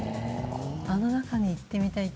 あの中に行ってみたい。